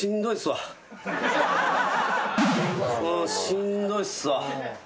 しんどいっすわ。